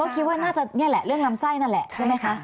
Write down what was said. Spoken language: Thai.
คิดว่าน่าจะนี่แหละเรื่องลำไส้นั่นแหละใช่ไหมคะ